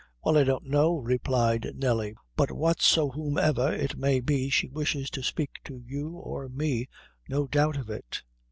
"Well, I don't know," replied Nelly; "but whatsomever it may be, she wishes to speak to you or me, no doubt of it."